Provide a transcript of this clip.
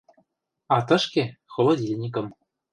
— А тышке — холодильникым.